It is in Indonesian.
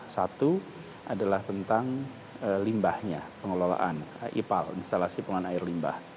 satu adalah tentang limbahnya pengelolaan ipal instalasi pengelolaan air limbah